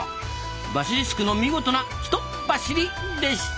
バシリスクの見事な「ひとっバシリ」でした。